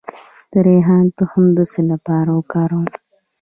د ریحان تخم د څه لپاره وکاروم؟